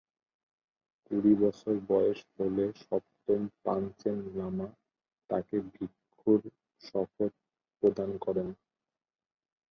কুড়ি বছর বয়স হলে সপ্তম পাঞ্চেন লামা তাকে ভিক্ষুর শপথ প্রদান করেন।